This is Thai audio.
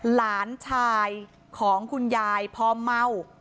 หลานชายของคุณยายพอเมา